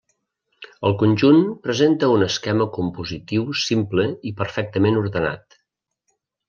El conjunt presenta un esquema compositiu simple i perfectament ordenat.